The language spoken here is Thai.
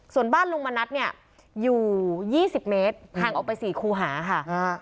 ส่วนบ้านลุงมณัฐเนี่ยอยู่๒๐เมตรห่างออกไป๔คูหาค่ะ